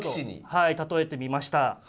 はい例えてみました。